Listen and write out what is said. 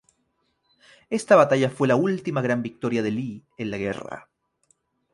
Esta batalla fue la última gran victoria de Lee en la guerra.